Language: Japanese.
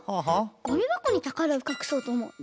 ごみばこにたからをかくそうとおもうんだ。